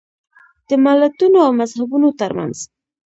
د ملتونو او مذهبونو ترمنځ.